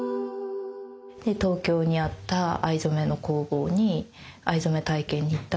東京にあった藍染めの工房に藍染め体験に行ったのがきっかけです。